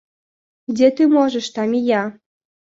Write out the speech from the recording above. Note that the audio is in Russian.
Где ты можешь, там и я...